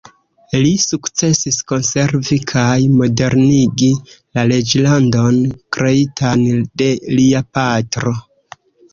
Li sukcesis konservi kaj modernigi la reĝlandon kreitan de lia patro.